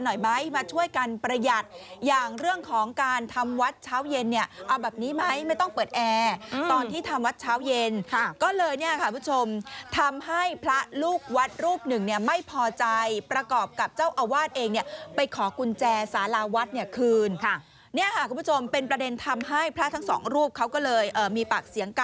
หน่อยไหมมาช่วยกันประหยัดอย่างเรื่องของการทำวัดเช้าเย็นเนี่ยเอาแบบนี้ไหมไม่ต้องเปิดแอร์ตอนที่ทำวัดเช้าเย็นก็เลยเนี่ยค่ะคุณผู้ชมทำให้พระลูกวัดรูปหนึ่งเนี่ยไม่พอใจประกอบกับเจ้าอาวาสเองเนี่ยไปขอกุญแจสาราวัดเนี่ยคืนค่ะเนี่ยค่ะคุณผู้ชมเป็นประเด็นทำให้พระทั้งสองรูปเขาก็เลยเอ่อมีปากเสียงก